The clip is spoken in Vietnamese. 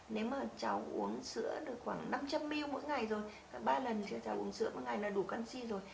nếu mà cháu uống sữa được khoảng năm trăm linh bill mỗi ngày rồi cả ba lần cho cháu uống sữa mỗi ngày là đủ canxi rồi